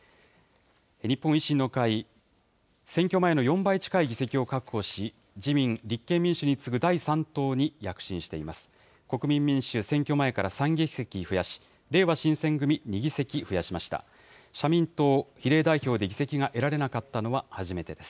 日本維新の会、選挙前の４倍近い議席を確保し、自民、立憲民主に次ぐ第３党に躍進しています。